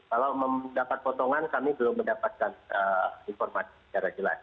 kalau mendapat potongan kami belum mendapatkan informasi secara jelas